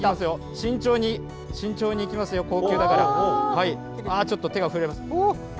慎重に、慎重にいきますよ、高級だから、あ、ちょっと、手が震えます。